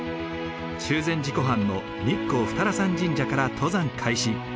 中禅寺湖畔の日光二荒山神社から登山開始。